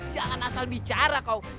jangan asal bicara kau